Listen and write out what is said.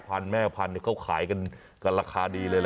พ่อพันธุ์แม่พันธุ์เนี่ยขายกันกันราคาดีเลยแหละ